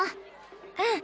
うん。